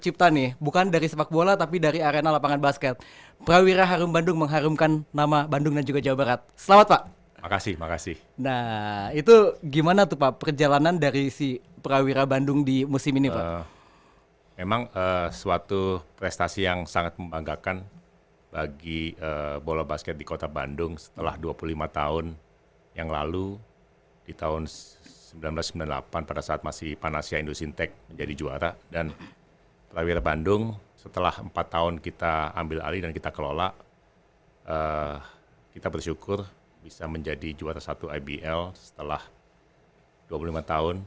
pada saat masih panasnya indosintek menjadi juara dan rewira bandung setelah empat tahun kita ambil alih dan kita kelola kita bersyukur bisa menjadi juara satu ibl setelah dua puluh lima tahun